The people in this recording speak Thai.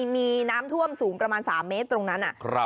มีน้ำท่วมสูงประมาณ๓เมตรตรงนั้น